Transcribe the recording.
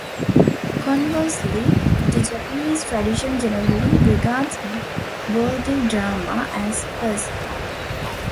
Conversely, the Japanese tradition generally regards Bodhidharma as Persian.